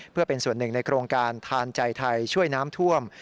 เพื่อเป็นส่วนหนึ่งในโครงการทานใจไทยช่วยน้ำท่วม